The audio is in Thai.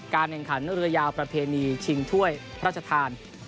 แข่งขันเรือยาวประเพณีชิงถ้วยพระราชทาน